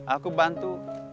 aku bantuin itu